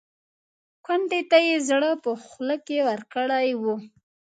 کونډې ته یې زړه په خوله کې ورکړی و.